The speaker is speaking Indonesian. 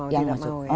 yang mau tidak mau ya